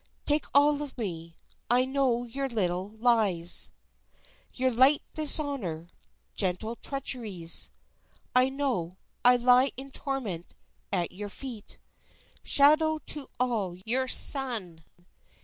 Take all of me. I know your little lies, Your light dishonor, gentle treacheries. I know, I lie in torment at your feet, Shadow to all your sun.